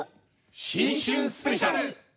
「新春スペシャル」。